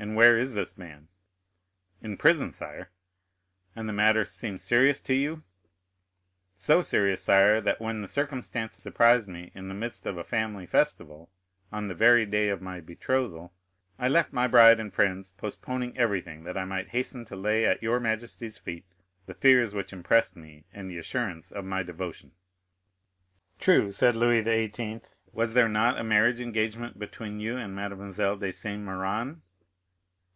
"And where is this man?" "In prison, sire." "And the matter seems serious to you?" "So serious, sire, that when the circumstance surprised me in the midst of a family festival, on the very day of my betrothal, I left my bride and friends, postponing everything, that I might hasten to lay at your majesty's feet the fears which impressed me, and the assurance of my devotion." "True," said Louis XVIII., "was there not a marriage engagement between you and Mademoiselle de Saint Méran?"